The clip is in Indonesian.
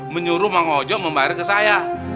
menyuruh mang ojo membayar ke saya